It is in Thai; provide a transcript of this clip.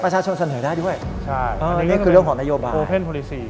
ประชาชนเสนอได้ด้วยนี่คือเรื่องของนโยบาย